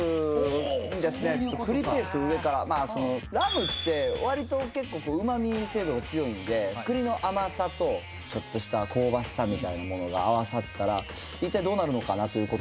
ラムってわりと結構うま味成分が強いんで栗の甘さとちょっとした香ばしさみたいなものが合わさったらいったいどうなるのかなと。